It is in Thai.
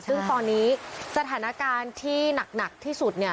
ซึ่งตอนนี้สถานการณ์ที่หนักที่สุดเนี่ย